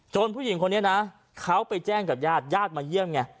ผู้หญิงคนนี้นะเขาไปแจ้งกับญาติญาติมาเยี่ยมไง